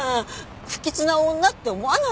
不吉な女って思わないでよ？